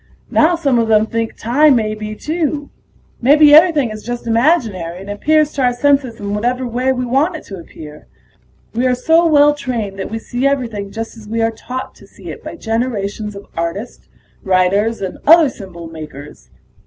Now some of them think time may be, too. Maybe everything is just imaginary, and appears to our senses in whatever way we want it to appear. We are so well trained that we see everything just as we are taught to see it by generations of artists, writers, and other symbol makers.